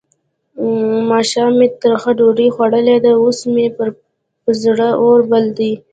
ماښام مې ترخه ډوډۍ خوړلې ده؛ اوس مې پر زړه اور بل دی.